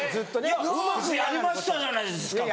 いやうまくやりましたじゃないですか。